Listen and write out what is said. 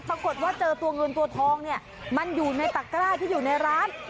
ปรากฏว่าเจอตัวเงินตัวทองเนี่ยมันอยู่ในตะกร้าที่อยู่ในร้าน